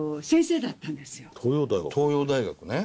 東洋大学ね。